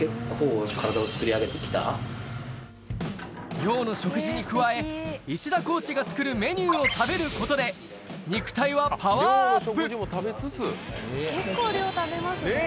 寮の食事に加え、石田コーチが作るメニューを食べることで、肉体はパワーアップ。